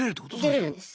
出れるんです。